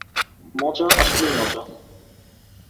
মজা আসলেই মজা।